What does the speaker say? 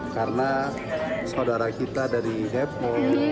karena saudara kita dari depok